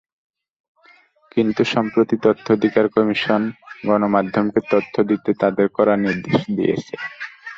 কিন্তু সম্প্রতি তথ্য অধিকার কমিশন গণমাধ্যমকে তথ্য দিতে তাদের কড়া নির্দেশ দিয়েছে।